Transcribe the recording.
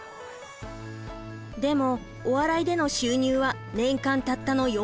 でもお笑いでの収入は年間たったの４万円ほど。